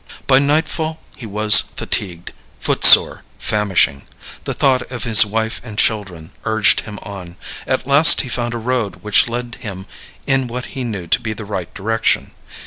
By nightfall he was fatigued, footsore, famishing. The thought of his wife and children urged him on. At last he found a road which led him in what he knew to be the right direction.